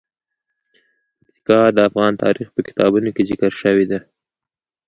پکتیکا د افغان تاریخ په کتابونو کې ذکر شوی دي.